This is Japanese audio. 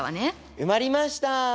埋まりました。